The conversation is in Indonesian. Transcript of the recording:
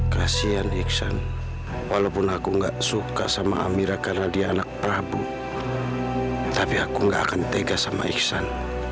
kasian iksan walaupun aku gak suka sama amira karena dia anak prabu tapi aku gak akan tega sama iksan